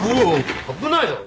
危ないだろ！